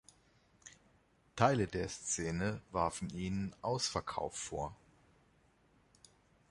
Teile der Szene warfen ihnen „Ausverkauf“ vor.